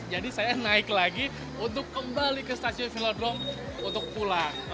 jadi saya naik lagi untuk kembali ke stasiun velodrom untuk pulang